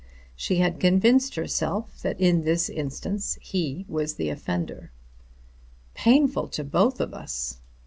She had convinced herself that in this instance he was the offender. "Painful to both of us!"